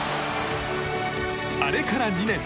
あれから２年。